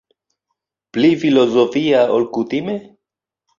Pli filozofia ol kutime?